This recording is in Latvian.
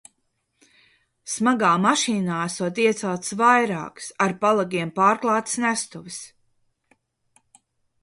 Smagā mašīnā esot ieceltas vairākas, ar palagiem pārklātas nestuves.